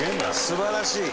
素晴らしい。